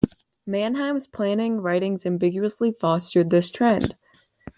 Mannheim's "planning" writings ambiguously fostered this trend.